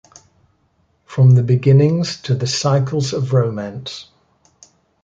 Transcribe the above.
From the Beginnings to the Cycles of Romance.